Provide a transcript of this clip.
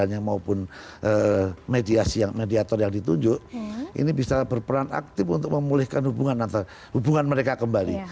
untuk memulihkan hubungan antara pihak berperkara keluarganya maupun mediator yang ditujuk ini bisa berperan aktif untuk memulihkan hubungan mereka kembali